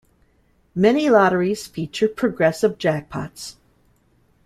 Many lotteries feature progressive jackpots.